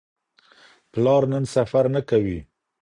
پلار نن سفر نه کوي.